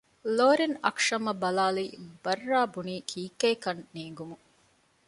ލޯރެން އަކްޝަމް އަށް ބަލާލީ ބައްރާ ބުނީ ކީކޭކަން ނޭނގުމުން